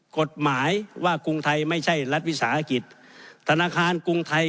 กฎหมายว่ากรุงไทยไม่ใช่รัฐวิสาหกิจธนาคารกรุงไทย